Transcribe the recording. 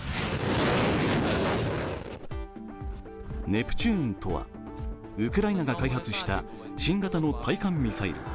ネプチューンとは、ウクライナが開発した新型の対艦ミサイル。